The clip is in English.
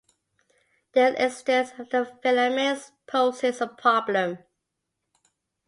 The existence of the filaments poses a problem.